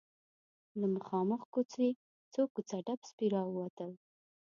له مخامخ کوڅې څو کوڅه ډب سپي راووتل.